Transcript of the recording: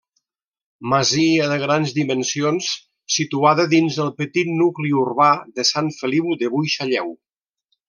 Masia de grans dimensions, situada dins el petit nucli urbà de Sant Feliu de Buixalleu.